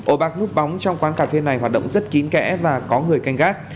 ổ bạc núp bóng trong quán cà phê này hoạt động rất kín kẽ và có người canh gác